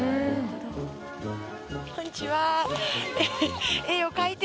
こんにちは。